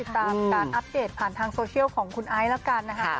ตามการอัปเดตผ่านทางโซเชียลของคุณไอซ์แล้วกันนะคะ